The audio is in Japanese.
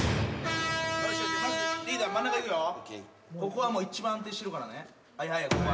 ここは一番安定してるからね。